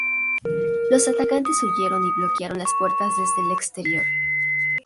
Los atacantes huyeron y bloquearon las puertas desde el exterior.